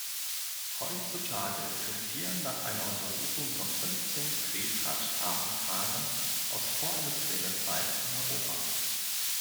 Heutzutage existieren nach einer Untersuchung noch fünfzehn Tretrad-Hafenkrane aus vorindustrieller Zeit in Europa.